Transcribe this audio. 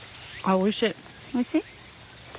おいしい。